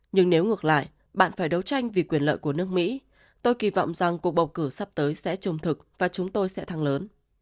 nhưng nếu ngược lại bạn phải đấu tranh vì quyền lợi của nước mỹ tôi kỳ vọng rằng cuộc bầu cử sắp tới sẽ trông thực và chúng tôi sẽ thắng lớn